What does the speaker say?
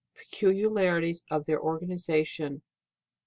Peculiarities of their organization.